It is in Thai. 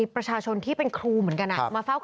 ประชาชนที่เป็นครูเหมือนกันมาเฝ้า